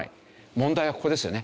問題はここですよね。